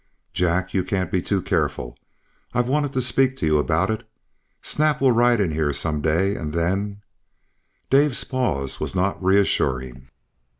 "Jack, you can't be too careful. I've wanted to speak to you about it. Snap will ride in here some day and then " Dave's pause was not reassuring.